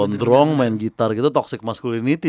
dia udah strong main gitar gitu toxic masculinity